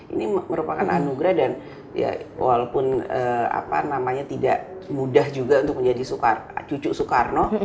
ini merupakan anugerah dan ya walaupun tidak mudah juga untuk menjadi cucu soekarno